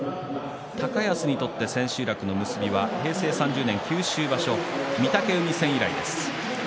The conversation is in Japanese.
高安にとって千秋楽の結びは平成３０年、九州場所御嶽海戦以来です。